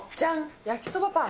焼きそばパン。